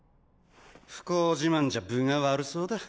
不幸自慢じゃ分が悪そうだ